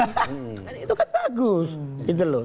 kan itu kan bagus gitu loh